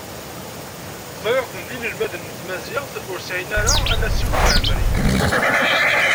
Ẓriɣ-ten d inelmaden n tmaziɣt, ur sɛin ara anasiw n temɛemmrit.